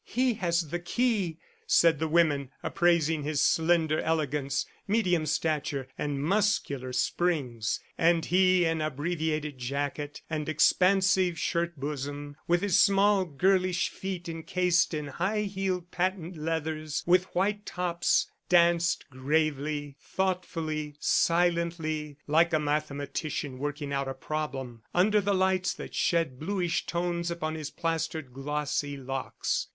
"He has the key," said the women, appraising his slender elegance, medium stature, and muscular springs. And he, in abbreviated jacket and expansive shirt bosom, with his small, girlish feet encased in high heeled patent leathers with white tops, danced gravely, thoughtfully, silently, like a mathematician working out a problem, under the lights that shed bluish tones upon his plastered, glossy locks.